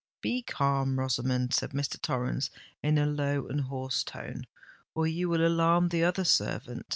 "Be calm, Rosamond," said Mr. Torrens in a low and hoarse tone; "or you will alarm the other servant.